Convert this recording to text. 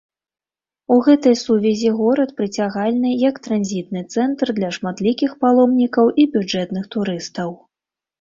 У гэтай сувязі горад прыцягальны як транзітны цэнтр для шматлікіх паломнікаў і бюджэтных турыстаў.